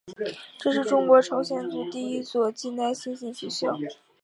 这是中国朝鲜族的第一所近代新型学校。